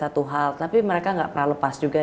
tapi mereka gak pernah lepas juga